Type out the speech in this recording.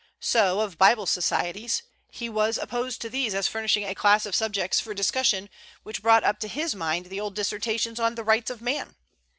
So of Bible societies; he was opposed to these as furnishing a class of subjects for discussion which brought up to his mind the old dissertations on "the rights of man."